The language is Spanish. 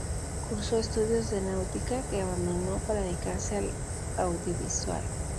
Cursó estudios de Náutica, que abandonó para dedicarse al audiovisual.